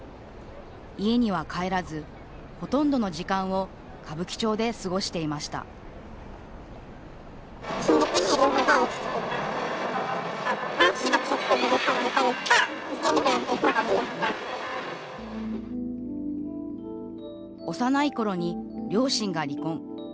家には帰らず、ほとんどの時間を歌舞伎町で過ごしていました幼いころに両親が離婚。